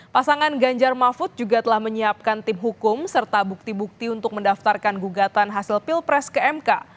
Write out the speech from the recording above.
pasangan ganjar mahfud juga telah menyiapkan tim hukum serta bukti bukti untuk mendaftarkan gugatan hasil pilpres ke mk